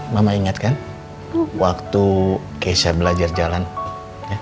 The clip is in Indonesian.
mama ingat kan waktu keisha belajar jalan ya